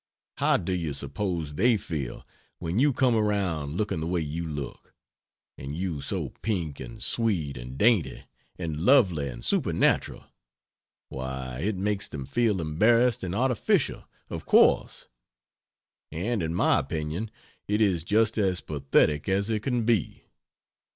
How do you suppose they feel when you come around looking the way you look? And you so pink and sweet and dainty and lovely and supernatural? Why, it makes them feel embarrassed and artificial, of course; and in my opinion it is just as pathetic as it can be.